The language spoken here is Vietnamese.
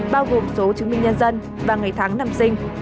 bao gồm số chứng minh nhân dân và ngày tháng năm sinh